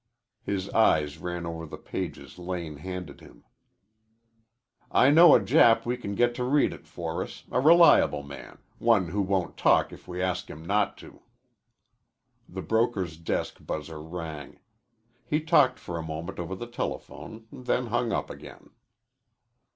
His eyes ran over the pages Lane handed him. "I know a Jap we can get to read it for us, a reliable man, one who won't talk if we ask him not to." The broker's desk buzzer rang. He talked for a moment over the telephone, then hung up again.